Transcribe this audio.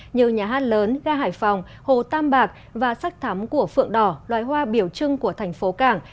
như nhà hát lớn ga hải phòng hồ tam bạc và sắc thắm của phượng đỏ loài hoa biểu trưng của thành phố cảng